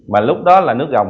mà lúc đó là nước gồng